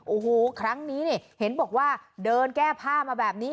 โอ้โหครั้งนี้เนี่ยเห็นบอกว่าเดินแก้ผ้ามาแบบนี้